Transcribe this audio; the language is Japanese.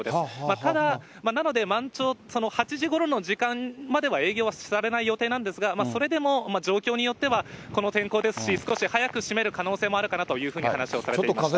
ただ、なので、満潮、その８時ごろの時間までは営業はされない予定なんですが、それでも状況によってはこの天候ですし、少し早く閉める可能性もあるかなというふうに話をされていました。